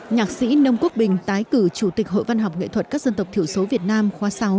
nhạc sĩ nông quốc bình tái cử chủ tịch hội văn học nghệ thuật các dân tộc thiểu số việt nam khóa sáu